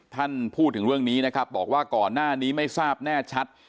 ท่านพูดถึงเรื่องนี้นะครับบอกว่าก่อนหน้านี้ไม่ทราบแน่ชัด